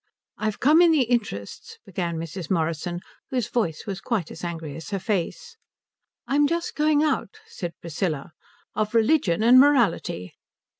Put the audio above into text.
"I've come in the interests " began Mrs. Morrison, whose voice was quite as angry as her face. "I'm just going out," said Priscilla. " Of religion and morality."